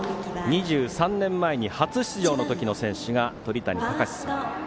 ２３年前に初出場の時の選手が、鳥谷敬さん。